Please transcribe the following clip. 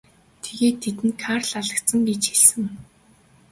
Тэгээд тэдэнд Карл алагдсан гэж хэлсэн.